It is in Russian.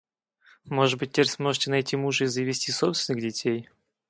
Может быть, теперь сможете найти мужа и завести собственных детей.